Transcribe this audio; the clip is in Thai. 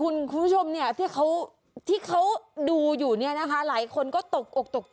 มันมันเปิดปิดเอง